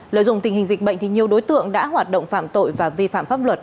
lợi dụng tình hình dịch bệnh thì nhiều đối tượng đã hoạt động phạm tội và vi phạm pháp luật